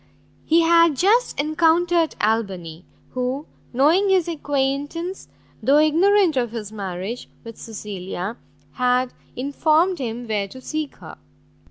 He had just encountered Albany; who, knowing his acquaintance, though ignorant of his marriage, with Cecilia, had informed him where to seek her.